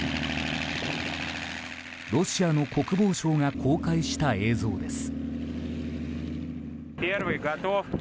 ロシアの国防省が公開した映像です。